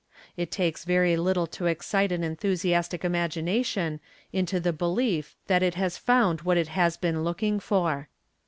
It takes very little to excite an enthusiastic imagination into the belief that it has found what it has been looking for.